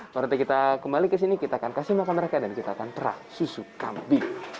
nanti kita kembali ke sini kita akan kasih makan mereka dan kita akan perah susu kambing